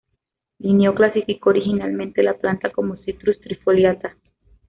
Linneo clasificó originalmente la planta como "Citrus trifoliata".